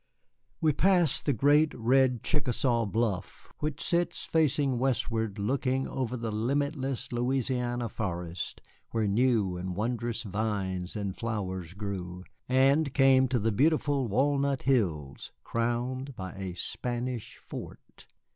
We passed the great, red Chickasaw Bluff, which sits facing westward looking over the limitless Louisiana forests, where new and wondrous vines and flowers grew, and came to the beautiful Walnut Hills crowned by a Spanish fort.